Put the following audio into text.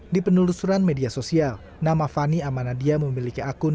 di penelusuran media sosial nama fani amanadia memiliki akun